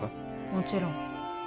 もちろん。